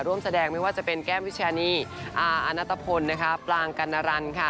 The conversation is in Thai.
ร่วมแสดงไม่ว่าจะเป็นแก้มวิชานีอาณัตภพลปลางกัณรันค่ะ